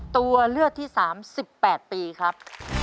ตัวเลือกที่๓๑๘ปีครับ